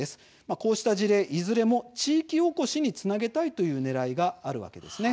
こうした事例いずれも地域おこしにつなげたいというねらいがあるわけです。